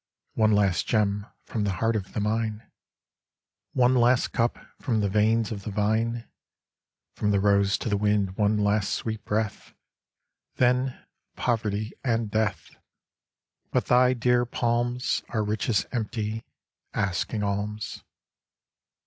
One last gem from the heart of the mine, One last cup from the veins of the vine, From the rose to the wind one last sweet breath, Then poverty, and death! But thy dear palms Are richest empty, asking alms.